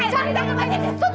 buat suntikin boleh cus